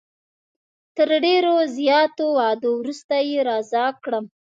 تر ډېرو زیاتو وعدو وروسته یې رضا کړم.